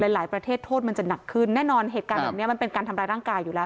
หลายประเทศโทษมันจะหนักขึ้นแน่นอนเหตุการณ์แบบนี้มันเป็นการทำร้ายร่างกายอยู่แล้ว